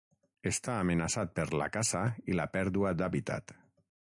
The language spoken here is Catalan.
Està amenaçat per la caça i la pèrdua d'hàbitat.